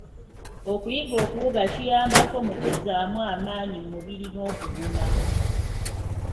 Okuyiga okuwuga kiyambako mu kuzzaamu amaanyi mu mubiri n'okuguma.